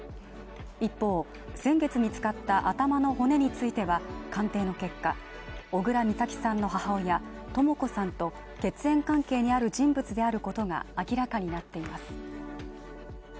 一方、先月見つかった頭の骨については、鑑定の結果、小倉美咲さんの母親・とも子さんと血縁関係にある人物であることが明らかになっています。